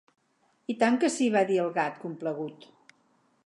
"I tant que sí, va dir el Gat, complagut.